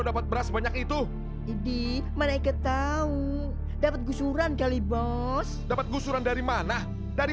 berapa beras banyak itu di mana ketahui dapat gusuran kali bos dapat gusuran dari mana dari